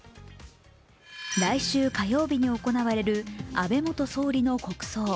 来週火曜日に行われる安倍元総理の国葬。